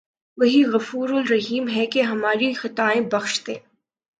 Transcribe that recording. وہی غفورالرحیم ہے کہ ہماری خطائیں بخش دے